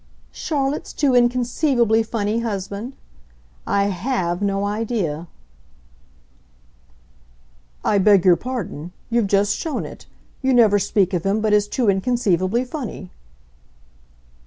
"Charlotte's too inconceivably funny husband? I HAVE no idea." "I beg your pardon you've just shown it. You never speak of him but as too inconceivably funny."